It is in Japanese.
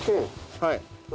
はい。